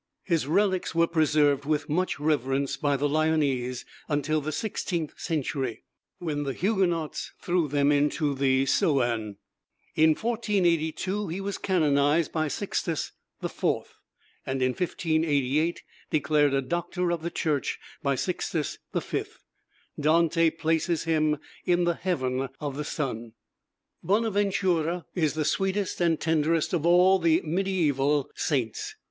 His relics were preserved with much reverence by the Lyonnese until the sixteenth century, when the Huguenots threw them into the Saône. In 1482 he was canonized by Sixtus IV., and in 1588 declared a doctor of the Church by Sixtus V. Dante places him in the Heaven of the Sun. Bonaventura is the sweetest and tenderest of all the mediæval saints.